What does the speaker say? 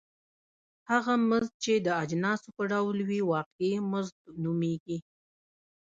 هغه مزد چې د اجناسو په ډول وي واقعي مزد نومېږي